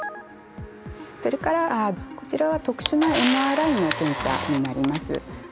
それからこちらは特殊なＭＲＩの検査になります。